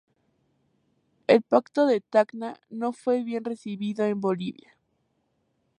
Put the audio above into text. El Pacto de Tacna no fue bien recibido en Bolivia.